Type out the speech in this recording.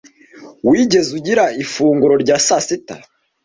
Wigeze ugira ifunguro rya saa sita